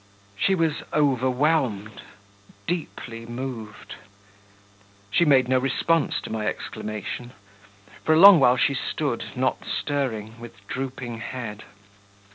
She was overwhelmed, deeply moved. She made no response to my exclamation; for a long while she stood, not stirring, with drooping head....